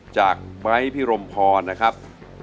จากไม้พิรมพรนะครับ